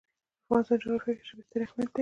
د افغانستان جغرافیه کې ژبې ستر اهمیت لري.